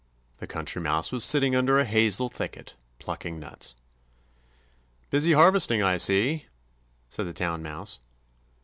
The Country Mouse was sitting under a hazel thicket plucking nuts. "Busy harvesting, I see," said the Town Mouse.